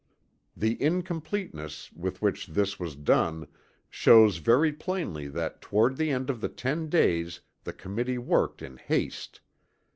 The incompleteness with which this was done shows very plainly that toward the end of the ten days the Committee worked in haste.